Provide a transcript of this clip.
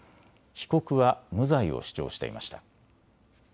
被告は無罪を主張していました。